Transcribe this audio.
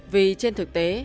vì trên thực tế